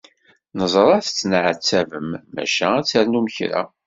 Neẓra tettenɛettabem maca ad ternum kra.